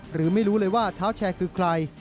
หรือไม่รู้เลยว่าเท้าแชร์คือใคร